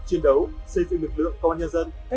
chiến đấu xây dựng lực lượng công an nhân dân